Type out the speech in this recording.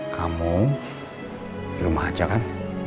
kamu di rumah aja kan